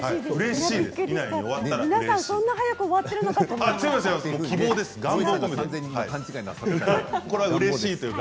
皆さんそんなに早く終わっているのかと思った。